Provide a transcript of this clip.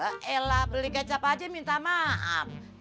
dek eh lah beli kecap aja minta maaf